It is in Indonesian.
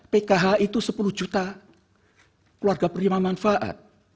pkh itu sepuluh juta keluarga beriman manfaat